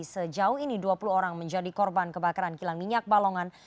sejauh ini dua puluh orang menjadi korban kebakaran kilang minyak balongan